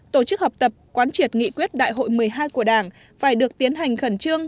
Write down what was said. tổ chức học tập quán triệt nghị quyết đại hội một mươi hai của đảng phải được tiến hành khẩn trương